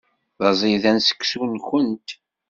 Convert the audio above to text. D aẓidan seksu-nwent.